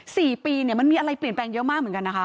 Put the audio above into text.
สี่ปีเนี่ยมันมีอะไรเปลี่ยนแปลงเยอะมากเหมือนกันนะคะ